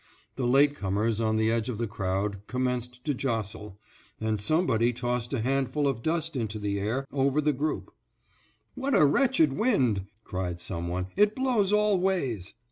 The late comers on the edge of the crowd commenced to jostle, and somebody tossed a handful of dust into the air over the group. "What a wretched wind," cried some one, "it blows all ways."